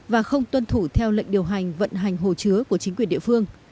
và không tuân thủ theo lệnh điều hành vận hành hồ chứa của chính quyền địa phương